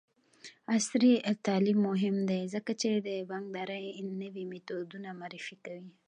عصري تعلیم مهم دی ځکه چې د بانکدارۍ نوې میتودونه معرفي کوي.